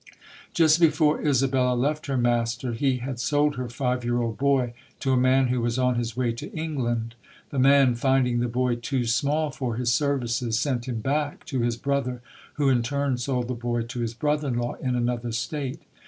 Just before Isabella left her master, he had sold her five year old boy to a man who was on his way to England. The man, finding the boy too small for his services, sent him back to his brother, who in turn sold the boy to his brother in law in another state.